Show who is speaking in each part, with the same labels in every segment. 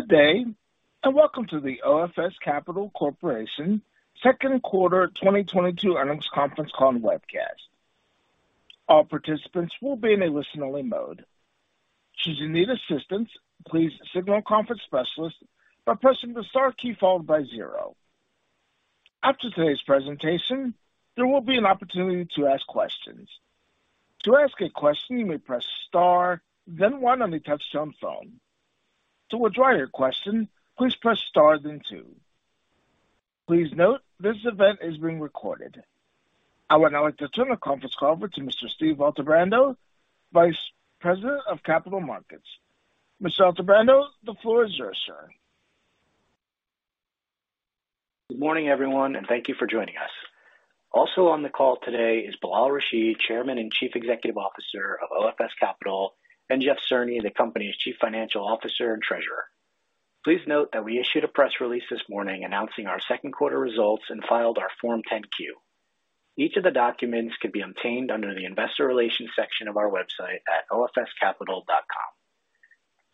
Speaker 1: Good day, and welcome to the OFS Capital Corporation Second Quarter 2022 Earnings Conference Call and Webcast. All participants will be in a listen-only mode. Should you need assistance, please signal a conference specialist by pressing the star key followed by zero. After today's presentation, there will be an opportunity to ask questions. To ask a question, you may press star then one on your touchtone phone. To withdraw your question, please press star then two. Please note this event is being recorded. I would now like to turn the conference call over to Mr. Steve Altebrando, Vice President of Capital Markets. Mr. Altebrando, the floor is yours, sir.
Speaker 2: Good morning, everyone, and thank you for joining us. Also on the call today is Bilal Rashid, Chairman and Chief Executive Officer of OFS Capital, and Jeff Cerny, the company's Chief Financial Officer and Treasurer. Please note that we issued a press release this morning announcing our second quarter results and filed our Form 10-Q. Each of the documents can be obtained under the investor relations section of our website at ofscapital.com.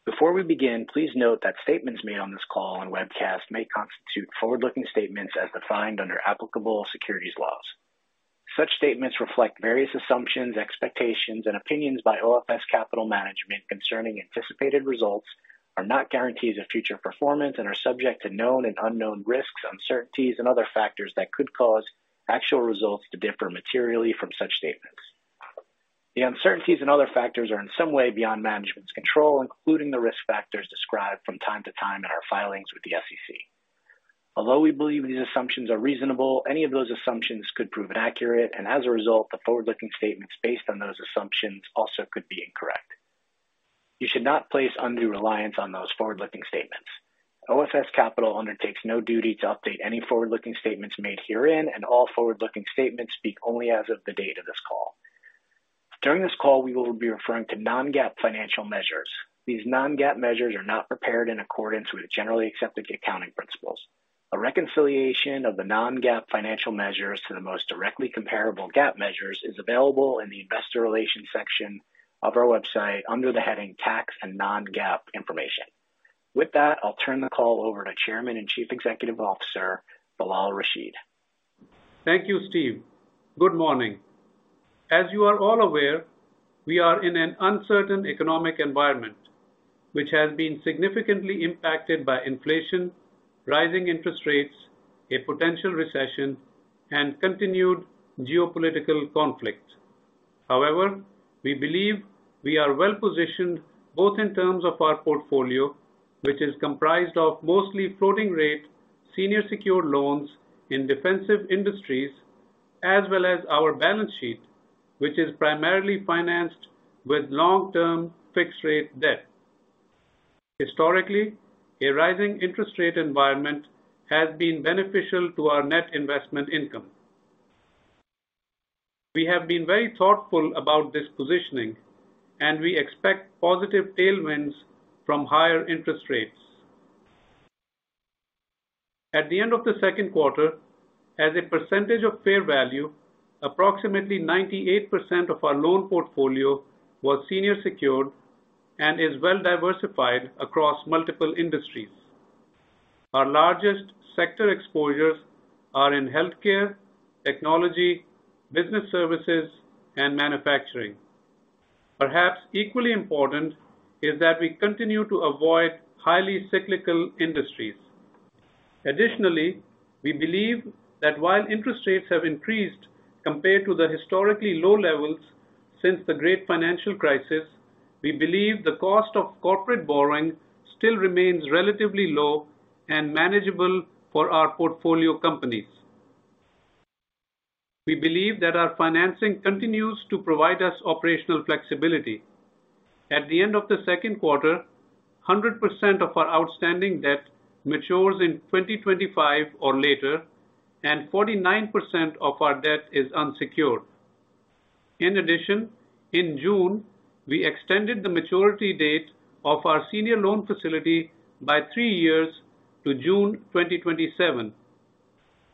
Speaker 2: Before we begin, please note that statements made on this call and webcast may constitute forward-looking statements as defined under applicable securities laws. Such statements reflect various assumptions, expectations, and opinions by OFS Capital management concerning anticipated results, are not guarantees of future performance and are subject to known and unknown risks, uncertainties, and other factors that could cause actual results to differ materially from such statements. The uncertainties and other factors are in some way beyond management's control, including the risk factors described from time to time in our filings with the SEC. Although we believe these assumptions are reasonable, any of those assumptions could prove inaccurate, and as a result, the forward-looking statements based on those assumptions also could be incorrect. You should not place undue reliance on those forward-looking statements. OFS Capital undertakes no duty to update any forward-looking statements made herein, and all forward-looking statements speak only as of the date of this call. During this call, we will be referring to non-GAAP financial measures. These non-GAAP measures are not prepared in accordance with generally accepted accounting principles. A reconciliation of the non-GAAP financial measures to the most directly comparable GAAP measures is available in the investor relations section of our website under the heading Tax and non-GAAP Information. With that, I'll turn the call over to Chairman and Chief Executive Officer, Bilal Rashid.
Speaker 3: Thank you, Steve. Good morning. As you are all aware, we are in an uncertain economic environment which has been significantly impacted by inflation, rising interest rates, a potential recession, and continued geopolitical conflict. However, we believe we are well-positioned both in terms of our portfolio, which is comprised of mostly floating rate senior secured loans in defensive industries, as well as our balance sheet, which is primarily financed with long-term fixed rate debt. Historically, a rising interest rate environment has been beneficial to our net investment income. We have been very thoughtful about this positioning, and we expect positive tailwinds from higher interest rates. At the end of the second quarter, as a percentage of fair value, approximately 98% of our loan portfolio was senior secured and is well diversified across multiple industries. Our largest sector exposures are in healthcare, technology, business services, and manufacturing. Perhaps equally important is that we continue to avoid highly cyclical industries. Additionally, we believe that while interest rates have increased compared to the historically low levels since the great financial crisis, we believe the cost of corporate borrowing still remains relatively low and manageable for our portfolio companies. We believe that our financing continues to provide us operational flexibility. At the end of the second quarter, 100% of our outstanding debt matures in 2025 or later, and 49% of our debt is unsecured. In addition, in June, we extended the maturity date of our senior loan facility by three years to June 2027.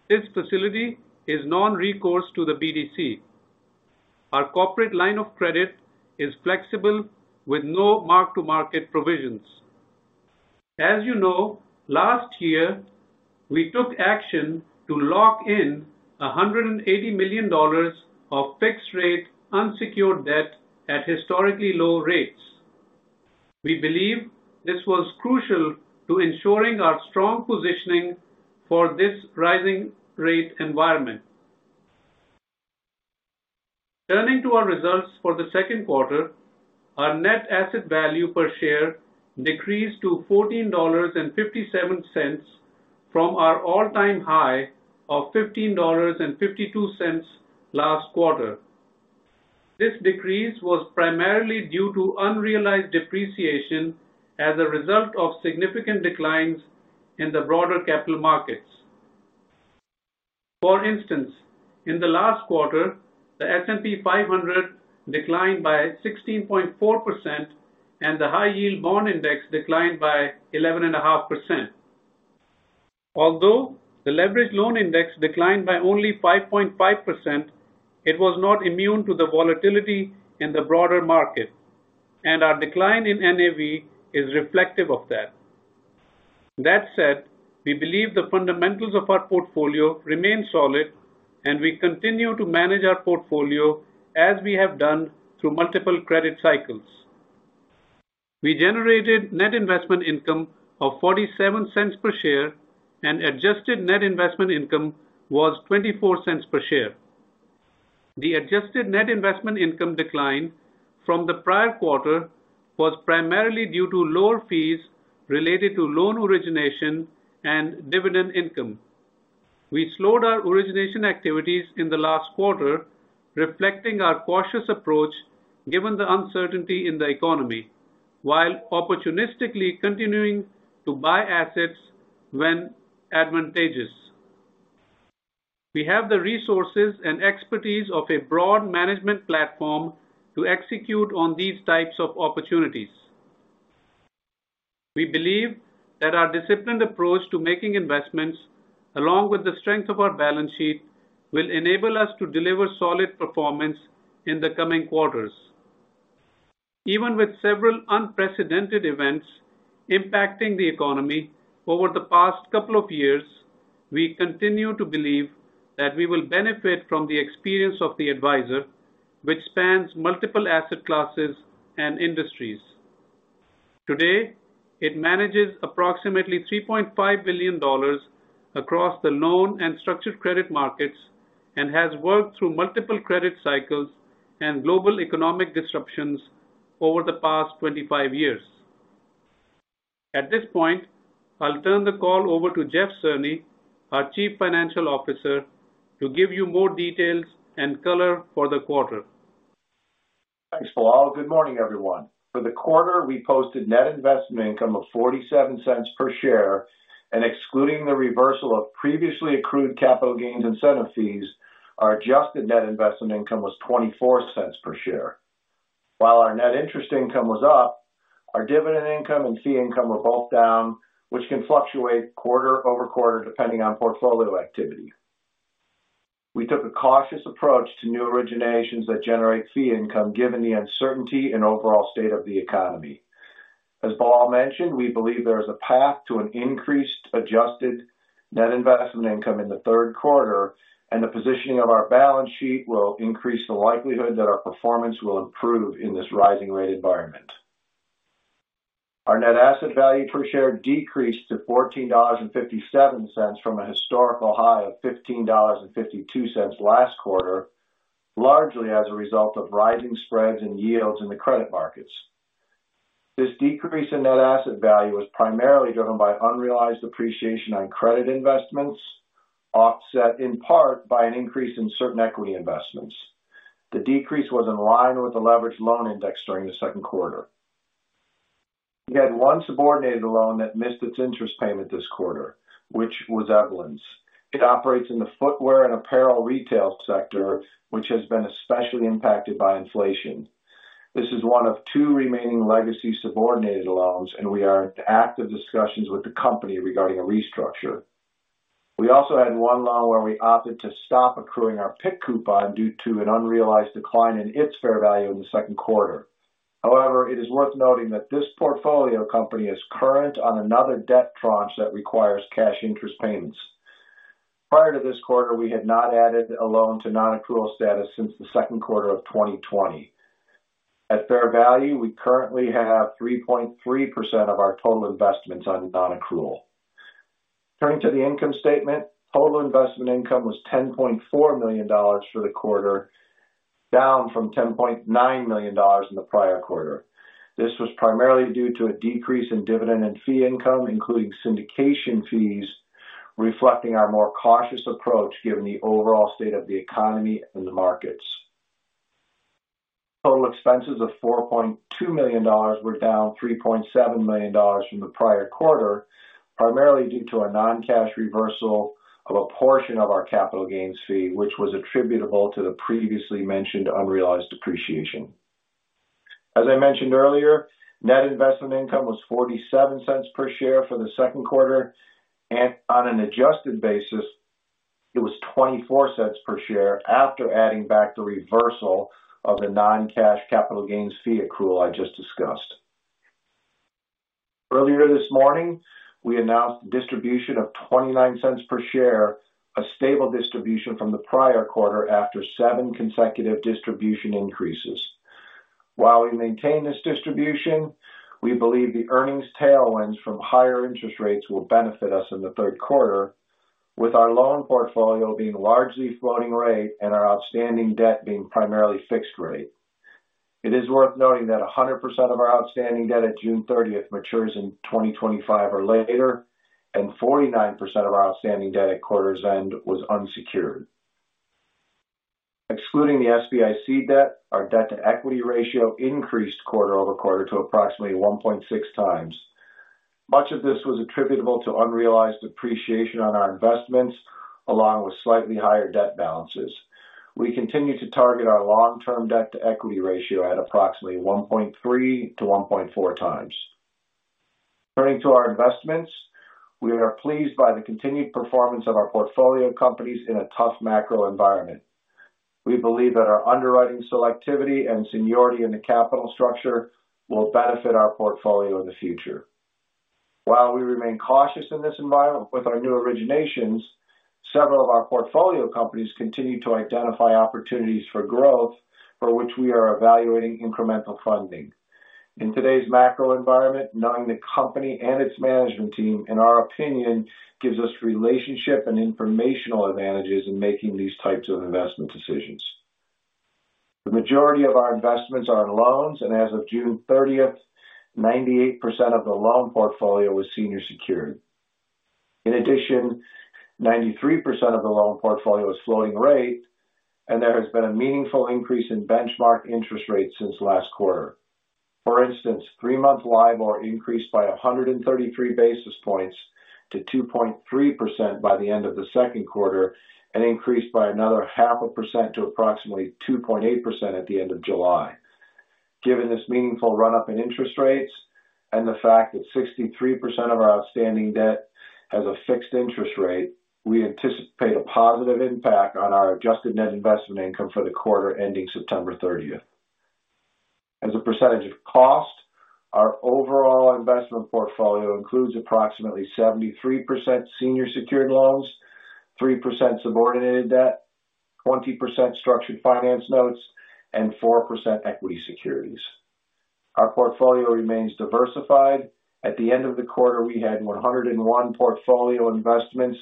Speaker 3: This facility is non-recourse to the BDC. Our corporate line of credit is flexible with no mark-to-market provisions. As you know, last year, we took action to lock in $180 million of fixed rate unsecured debt at historically low rates. We believe this was crucial to ensuring our strong positioning for this rising rate environment. Turning to our results for the second quarter. Our net asset value per share decreased to $14.57 from our all-time high of $15.52 last quarter. This decrease was primarily due to unrealized depreciation as a result of significant declines in the broader capital markets. For instance, in the last quarter, the S&P 500 declined by 16.4%, and the high yield bond index declined by 11.5%. Although the leveraged loan index declined by only 5.5%, it was not immune to the volatility in the broader market. Our decline in NAV is reflective of that. That said, we believe the fundamentals of our portfolio remain solid, and we continue to manage our portfolio as we have done through multiple credit cycles. We generated net investment income of $0.47 per share, and adjusted net investment income was $0.24 per share. The adjusted net investment income decline from the prior quarter was primarily due to lower fees related to loan origination and dividend income. We slowed our origination activities in the last quarter, reflecting our cautious approach given the uncertainty in the economy, while opportunistically continuing to buy assets when advantageous. We have the resources and expertise of a broad management platform to execute on these types of opportunities. We believe that our disciplined approach to making investments, along with the strength of our balance sheet, will enable us to deliver solid performance in the coming quarters. Even with several unprecedented events impacting the economy over the past couple of years, we continue to believe that we will benefit from the experience of the advisor, which spans multiple asset classes and industries. Today, it manages approximately $3.5 billion across the loan and structured credit markets and has worked through multiple credit cycles and global economic disruptions over the past 25 years. At this point, I'll turn the call over to Jeff Cerny, our Chief Financial Officer, to give you more details and color for the quarter.
Speaker 4: Thanks, Bilal. Good morning, everyone. For the quarter, we posted net investment income of $0.47 per share, and excluding the reversal of previously accrued capital gains incentive fees, our adjusted net investment income was $0.24 per share. While our net interest income was up, our dividend income and fee income were both down, which can fluctuate quarter over quarter depending on portfolio activity. We took a cautious approach to new originations that generate fee income given the uncertainty and overall state of the economy. As Bilal mentioned, we believe there is a path to an increased adjusted net investment income in the third quarter, and the positioning of our balance sheet will increase the likelihood that our performance will improve in this rising rate environment. Our net asset value per share decreased to $14.57 from a historical high of $15.52 last quarter, largely as a result of rising spreads and yields in the credit markets. This decrease in net asset value was primarily driven by unrealized appreciation on credit investments, offset in part by an increase in certain equity investments. The decrease was in line with the leveraged loan index during the second quarter. We had one subordinated loan that missed its interest payment this quarter, which was Evelyn's. It operates in the footwear and apparel retail sector, which has been especially impacted by inflation. This is one of two remaining legacy subordinated loans, and we are in active discussions with the company regarding a restructure. We also had one loan where we opted to stop accruing our PIK coupon due to an unrealized decline in its fair value in the second quarter. However, it is worth noting that this portfolio company is current on another debt tranche that requires cash interest payments. Prior to this quarter, we had not added a loan to non-accrual status since the second quarter of 2020. At fair value, we currently have 3.3% of our total investments on non-accrual. Turning to the income statement, total investment income was $10.4 million for the quarter, down from $10.9 million in the prior quarter. This was primarily due to a decrease in dividend and fee income, including syndication fees, reflecting our more cautious approach given the overall state of the economy and the markets. Total expenses of $4.2 million were down $3.7 million from the prior quarter, primarily due to a non-cash reversal of a portion of our capital gains fee, which was attributable to the previously mentioned unrealized appreciation. As I mentioned earlier, net investment income was $0.47 per share for the second quarter, and on an adjusted basis, it was $0.24 per share after adding back the reversal of the non-cash capital gains fee accrual I just discussed. Earlier this morning, we announced the distribution of $0.29 per share, a stable distribution from the prior quarter after seven consecutive distribution increases. While we maintain this distribution, we believe the earnings tailwinds from higher interest rates will benefit us in the third quarter, with our loan portfolio being largely floating rate and our outstanding debt being primarily fixed rate. It is worth noting that 100% of our outstanding debt at June thirtieth matures in 2025 or later, and 49% of our outstanding debt at quarter's end was unsecured. Excluding the SBIC debt, our debt-to-equity ratio increased quarter-over-quarter to approximately 1.6x. Much of this was attributable to unrealized appreciation on our investments, along with slightly higher debt balances. We continue to target our long-term debt to equity ratio at approximately 1.3x to 1.4x. Turning to our investments, we are pleased by the continued performance of our portfolio companies in a tough macro environment. We believe that our underwriting selectivity and seniority in the capital structure will benefit our portfolio in the future. While we remain cautious in this environment with our new originations, several of our portfolio companies continue to identify opportunities for growth for which we are evaluating incremental funding. In today's macro environment, knowing the company and its management team, in our opinion, gives us relationship and informational advantages in making these types of investment decisions. The majority of our investments are in loans, and as of 30 June 2022, 98% of the loan portfolio was senior secured. In addition, 93% of the loan portfolio is floating rate, and there has been a meaningful increase in benchmark interest rates since last quarter. For instance, three-month LIBOR increased by 133-basis points to 2.3% by the end of the second quarter and increased by another 0.5% to approximately 2.8% at the end of July. Given this meaningful run-up in interest rates and the fact that 63% of our outstanding debt has a fixed interest rate, we anticipate a positive impact on our adjusted net investment income for the quarter ending 30 September 2022. As a percentage of cost, our overall investment portfolio includes approximately 73% senior secured loans, 3% subordinated debt, 20% structured finance notes, and 4% equity securities. Our portfolio remains diversified. At the end of the quarter, we had 101 portfolio investments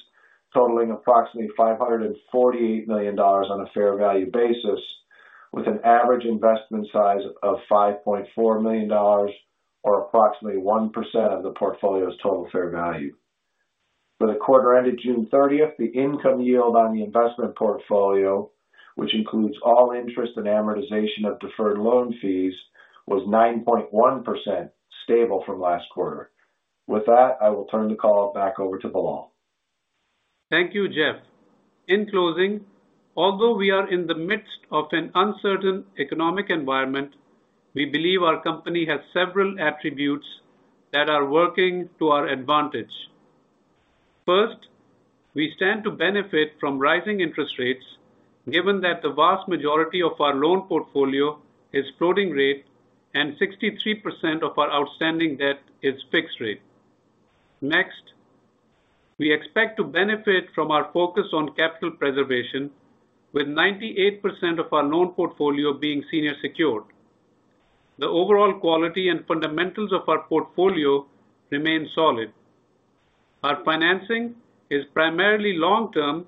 Speaker 4: totaling approximately $548 million on a fair value basis, with an average investment size of $5.4 million or approximately 1% of the portfolio's total fair value. For the quarter ended 30 June 2022, the income yield on the investment portfolio, which includes all interest and amortization of deferred loan fees, was 9.1%, stable from last quarter. With that, I will turn the call back over to Bilal.
Speaker 3: Thank you, Jeff. In closing, although we are in the midst of an uncertain economic environment, we believe our company has several attributes that are working to our advantage. First, we stand to benefit from rising interest rates, given that the vast majority of our loan portfolio is floating rate and 63% of our outstanding debt is fixed rate. Next, we expect to benefit from our focus on capital preservation, with 98% of our loan portfolio being senior secured. The overall quality and fundamentals of our portfolio remain solid. Our financing is primarily long-term,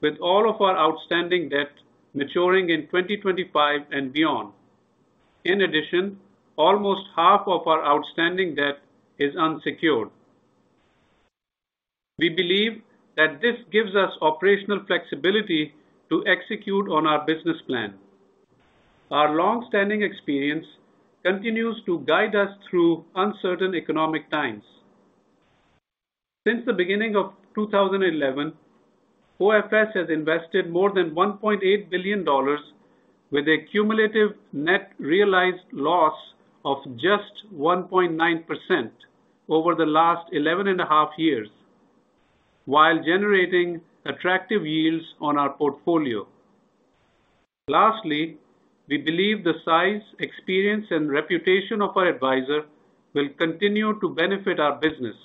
Speaker 3: with all of our outstanding debt maturing in 2025 and beyond. In addition, almost half of our outstanding debt is unsecured. We believe that this gives us operational flexibility to execute on our business plan. Our long-standing experience continues to guide us through uncertain economic times. Since the beginning of 2011, OFS has invested more than $1.8 billion with a cumulative net realized loss of just 1.9% over the last 11.5 years while generating attractive yields on our portfolio. Lastly, we believe the size, experience, and reputation of our advisor will continue to benefit our business.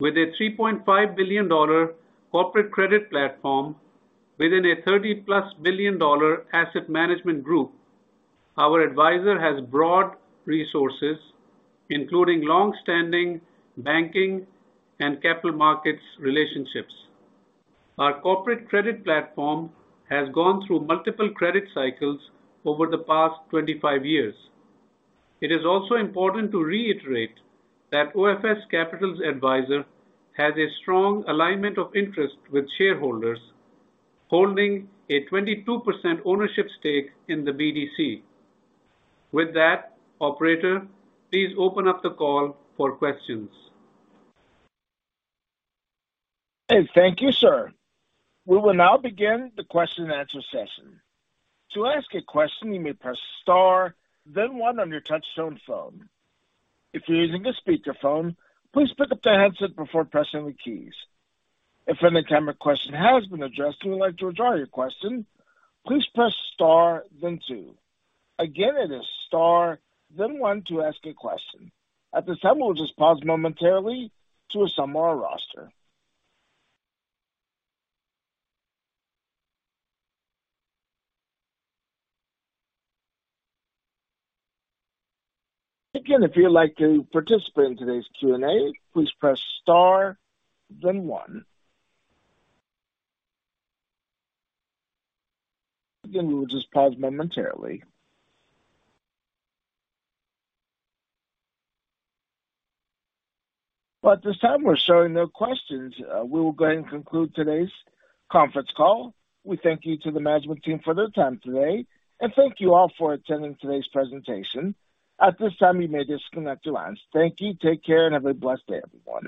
Speaker 3: With a $3.5 billion corporate credit platform within a $30 billion plus asset management group, our advisor has broad resources, including long-standing banking and capital markets relationships. Our corporate credit platform has gone through multiple credit cycles over the past 25 years. It is also important to reiterate that OFS Capital's advisor has a strong alignment of interest with shareholders holding a 22% ownership stake in the BDC. With that, Operator, please open up the call for questions.
Speaker 1: Thank you, sir. We will now begin the question-and-answer session. To ask a question, you may press star then one on your touchtone phone. If you're using a speakerphone, please pick up the handset before pressing the keys. If an attempted question has been addressed and you'd like to withdraw your question, please press star then two. Again, it is star then one to ask a question. At this time, we'll just pause momentarily to assemble our roster. Again, if you'd like to participate in today's Q&A, please press star then one. Again, we will just pause momentarily. Well, at this time, we're showing no questions. We will go ahead and conclude today's conference call. We thank you to the management team for their time today. Thank you all for attending today's presentation. At this time, you may disconnect your lines. Thank you. Take care, and have a blessed day, everyone.